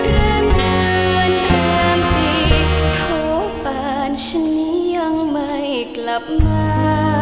แรมเดือนแรมตีโทษปานฉันยังไม่กลับมา